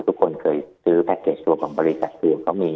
ทุกคนเคยซื้อแพ็คเกจตัวของบริษัทคือ